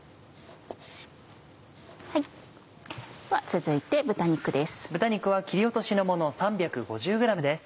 続いて豚肉です。